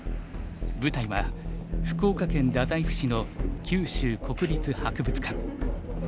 舞台は福岡県太宰府市の九州国立博物館。